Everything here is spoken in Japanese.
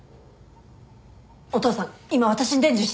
お父さん今私に伝授して！